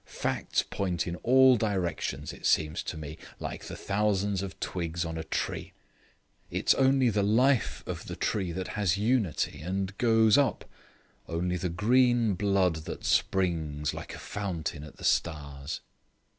Facts point in all directions, it seems to me, like the thousands of twigs on a tree. It's only the life of the tree that has unity and goes up only the green blood that springs, like a fountain, at the stars."